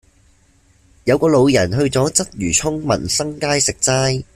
有個老人去左鰂魚涌民新街食齋